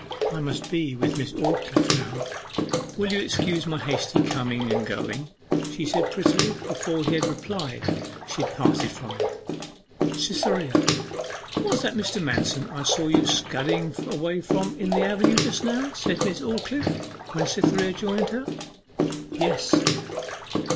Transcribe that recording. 'I must be with Miss Aldclyffe now will you excuse my hasty coming and going?' she said prettily. Before he had replied she had parted from him. 'Cytherea, was it Mr. Manston I saw you scudding away from in the avenue just now?' said Miss Aldclyffe, when Cytherea joined her. 'Yes.